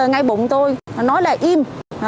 ngay bụng tôi nói là im